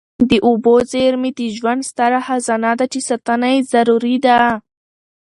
د اوبو زیرمې د ژوند ستره خزانه ده چي ساتنه یې ضروري ده.